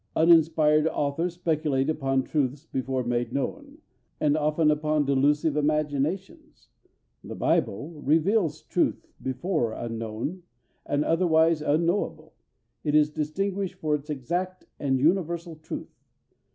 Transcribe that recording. Uninspired authors speculate upon truths before made known, and often upon delusive imaginations; the Bible reveals truths before unknown, and otherwise unknowable. It is distinguished for its exact and universal truth.